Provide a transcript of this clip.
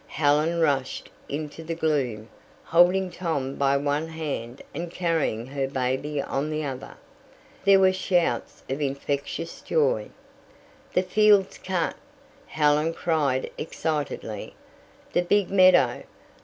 Helen rushed into the gloom, holding Tom by one hand and carrying her baby on the other. There were shouts of infectious joy. "The field's cut!" Helen cried excitedly "the big meadow!